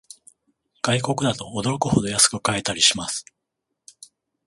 外国だと驚くほど安く買えたりします